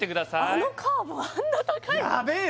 あのカーボンあんな高いんだヤベえ